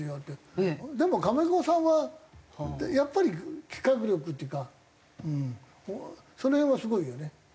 でも上岡さんはやっぱり企画力っていうかその辺はすごいよね。